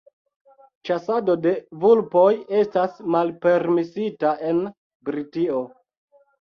ĉasado de vulpoj estas malpermesita en Britio.